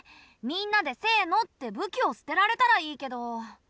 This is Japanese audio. みんなでせのって武器を捨てられたらいいけど。